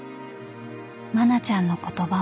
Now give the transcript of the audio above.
［真菜ちゃんの言葉は